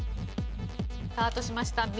スタートしました。